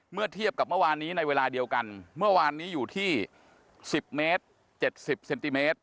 เมื่อเทียบกับเมื่อวานนี้ในเวลาเดียวกันเมื่อวานนี้อยู่ที่๑๐เมตร๗๐เซนติเมตร